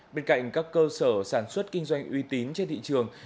bên cạnh các cơ sở sản xuất kinh doanh uy tín trên thị trường